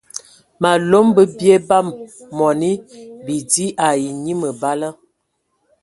Malom bə bie bam mɔni bidi ai enyi məbala.